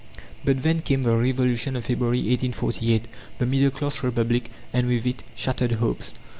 But then came the Revolution of February, 1848, the middle class Republic, and with it, shattered hopes.